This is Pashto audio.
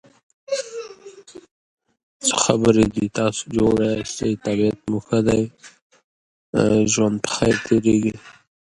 جین د خپلې ځوانۍ کیسې په درې ټوکه کې ثبت کړې.